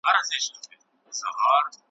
له یخنیه دي بې واکه دي لاسونه ,